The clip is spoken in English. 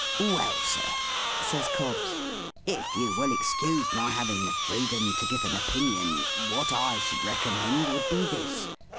"Well, sir," says Cobbs. "If you will excuse my having the freedom to give an opinion, what I should recommend would be this.